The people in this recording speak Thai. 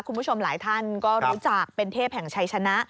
คุณผู้ชมหลายท่านก็รู้จักเป็นเทพแห่งชัยชนะ